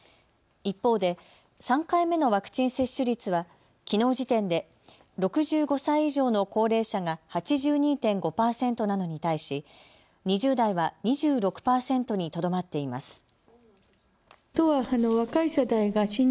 一方で３回目のワクチン接種率はきのう時点で６５歳以上の高齢者が８２．５％なのに対し２０代は２６％にとどまっています。